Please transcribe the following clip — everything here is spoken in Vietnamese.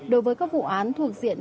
đối với các vụ án thuộc diện